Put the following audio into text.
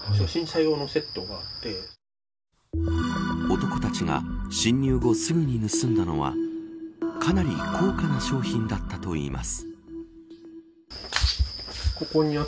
男たちが侵入後すぐに盗んだのはかなり高価な商品だったといいます。